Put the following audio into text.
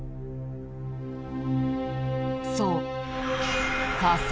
そう。